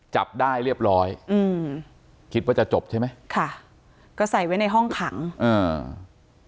จับได้เรียบร้อยอืมคิดว่าจะจบใช่ไหมค่ะก็ใส่ไว้ในห้องขังอ่า